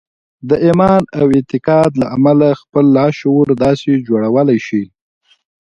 د ايمان او اعتقاد له امله خپل لاشعور داسې جوړولای شئ.